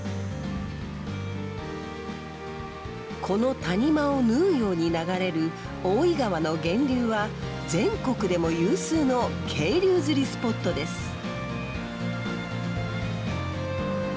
この谷間を縫うように流れる大井川の源流は全国でも有数の渓流釣りスポットです。